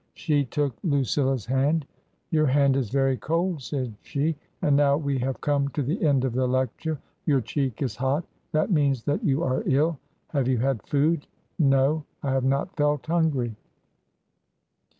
She took Lucilla's hand. " Your hand is very cold," said she ;" and now we have come to the end of the lecture. Your cheek is hot. That means that you are ill. Have you had food ?"" No. I have not felt hungry."